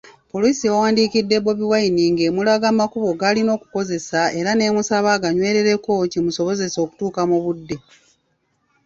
Poliisi yawandiikidde BobiWine ng'emulaga amakubo g'alina okukozesa era n'emusaba aganywerereko kimusobozese okutuuka mu budde.